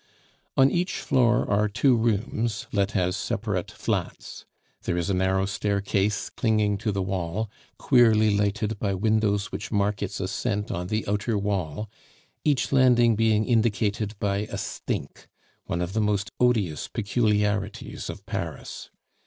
On each floor are two rooms, let as separate flats. There is a narrow staircase clinging to the wall, queerly lighted by windows which mark its ascent on the outer wall, each landing being indicated by a stink, one of the most odious peculiarities of Paris.